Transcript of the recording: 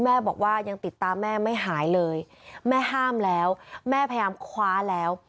แม่บอกว่ายังติดตามแม่ไม่หายเลยแม่ห้ามแล้วแม่พยายามคว้าแล้ว